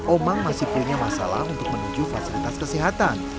omang masih punya masalah untuk menuju fasilitas kesehatan